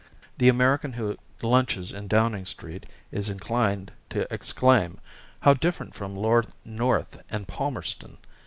the American who lunches in Downing Street is inclined to exclaim: "How different from Lord North and Palmerston!"